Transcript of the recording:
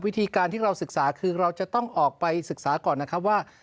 วิธีการที่เราศึกษาคือเราจะต้องออกไปศึกษาก่อนนะครับว่า